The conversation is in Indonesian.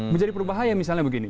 menjadi perubahan ya misalnya begini